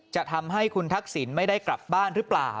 จะทำให้คุณทักษิณไม่ได้กลับบ้านหรือเปล่า